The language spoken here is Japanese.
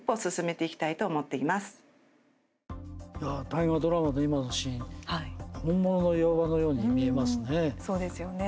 大河ドラマで今のシーン本物の岩場のように見えますね。